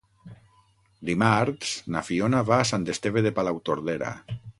Dimarts na Fiona va a Sant Esteve de Palautordera.